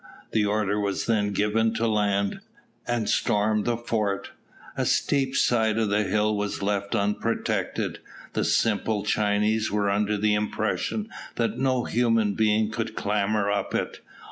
The order was then given to land, and storm the fort. A steep side of the hill was left unprotected. The simple Chinese were under the impression that no human being could clamber up it.